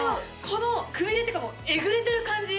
このくびれっていうかもうえぐれてる感じ？